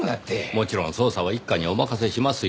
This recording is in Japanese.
もちろん捜査は一課にお任せしますよ。